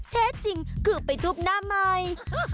เท่จริงคือไปทุบหน้าไมค์